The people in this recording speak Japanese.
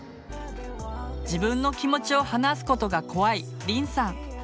自分の気持ちを話すことが怖いりんさん。